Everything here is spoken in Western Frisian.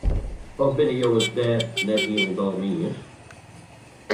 Of binne jo it dêr net hielendal mei iens?